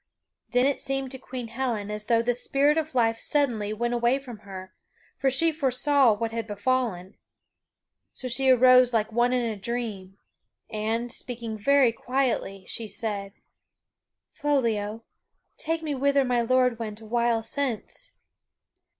Then it seemed to Queen Helen as though the spirit of life suddenly went away from her, for she foresaw what had befallen. So she arose like one in a dream, and, speaking very quietly, she said: "Foliot, take me whither my lord went awhile since!"